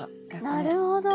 なるほど！